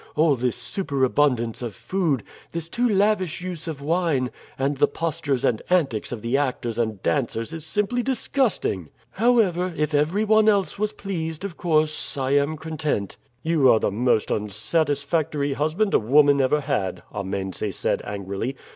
All this superabundance of food, this too lavish use of wine, and the postures and antics of the actors and dancers is simply disgusting. However, if everyone else was pleased, of course I am content." "You are the most unsatisfactory husband a woman ever had," Amense said angrily.